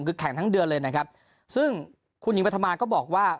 คือแข่งทั้งเดือนเลยนะครับซึ่งคุณหญิงปฐมาก็บอกว่า